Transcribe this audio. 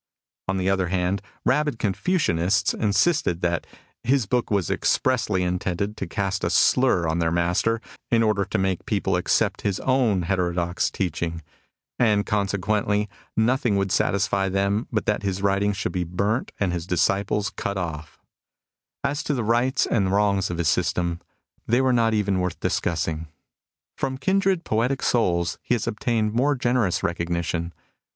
On the other hand, rabid Confucianists insisted that '* his book was expressly intended to cast a slur on their Master, in order to make people accept his own heterodox teaching ; and, consequently, nothing would satisfy them but that his writings should be burnt and his disciples cut off. As 32 MUSINGS OF A CHINESE MYSTIC to the rights and wrongs of his system, they were not even worth discussing.'* From kindred poetic souls he has obtained more generous recognition.